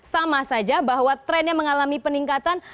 sama saja bahwa trennya mengalami peningkatan